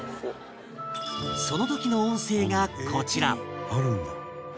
その時の音声がこちら